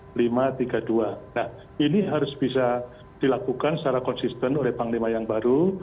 nah ini harus bisa dilakukan secara konsisten oleh panglima yang baru